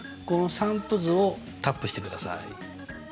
この散布図をタップしてください。